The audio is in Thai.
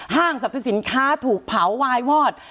ห้างสรรพสินค้าถูกเผาวายวอด